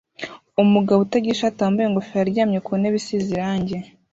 Umugabo utagira ishati wambaye ingofero aryamye ku ntebe isize irangi